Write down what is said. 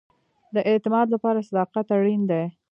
د اعتماد لپاره صداقت اړین دی